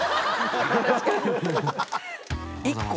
１個。